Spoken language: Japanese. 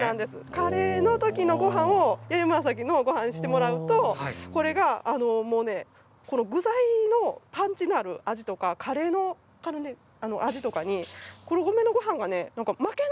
カレーのときのごはんを弥生紫のごはんにしてもらうとこの具材のパンチのある味とかカレーの味とかに黒米のごはんが負けないんですよ。